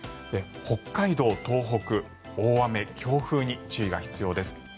北海道、東北大雨、強風に注意が必要です。